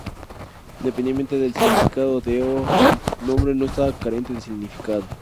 Independientemente del significado de "Ø", el nombre no está carente de significado.